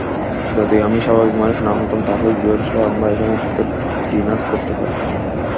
যদি আমি স্বাভাবিক মানুষ না হতাম তাহলে জুয়েলসহ আমরা এখানে একসাথে ডিনার করতে পারতামনা।